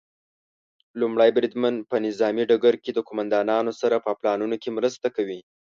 لومړی بریدمن په نظامي ډګر کې د قوماندانانو سره په پلانونو کې مرسته کوي.